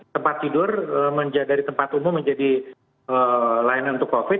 tempat tidur dari tempat umum menjadi layanan untuk covid